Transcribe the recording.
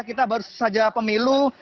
kita baru saja pemilu